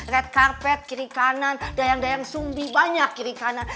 red karpet kiri kanan dayang dayang sumbi banyak kiri kanan